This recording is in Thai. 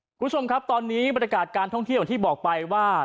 คุณผู้ชมครับตอนนี้บรรยากาศการท่องเที่ยวอย่างที่บอกไปว่า